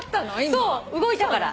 そう動いたから。